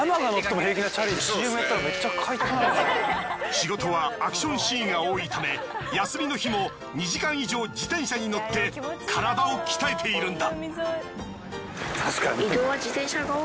仕事はアクションシーンが多いため休みの日も２時間以上自転車に乗って体を鍛えているんだ。